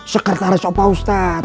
sekretaris bapak ustadz